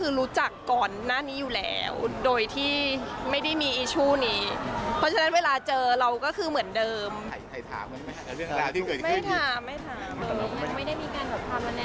ยังไม่มีจ้ะยังไม่มีจ้ะ